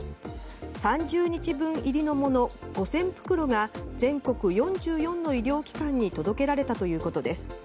３０日分入りのもの５０００袋が全国４４の医療機関に届けられたということです。